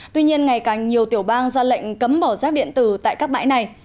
tuy nhiên ngày càng nhiều tiểu bang ra lệnh cấm bỏ rác điện tử tại các bãi này